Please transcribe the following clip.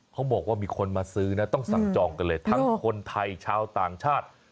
เขาบอกว่ามีคนมาซื้อนะต้องสั่งจองกันเลยทั้งคนไทยชาวต่างชาติ